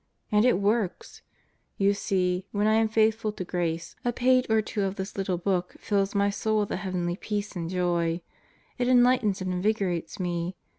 And it works! You see, when I am faithful to grace, a page or two of this little book fills my soul with a heavenly peace and joy. It enlightens and invigorates me.